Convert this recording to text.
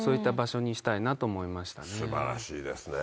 素晴らしいですね。